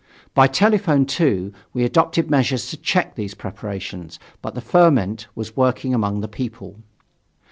By telephone, too, we adopted measures to check these preparations, but the ferment was working among the people.